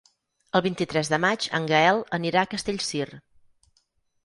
El vint-i-tres de maig en Gaël anirà a Castellcir.